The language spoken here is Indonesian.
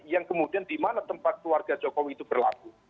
yang kemudian di mana tempat keluarga jokowi itu berlaku